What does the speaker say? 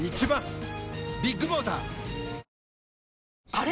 あれ？